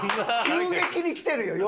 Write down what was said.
急激にきてるよ